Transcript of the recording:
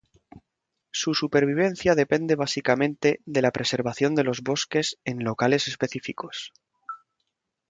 Su supervivencia depende básicamente de la preservación de los bosques en locales específicos.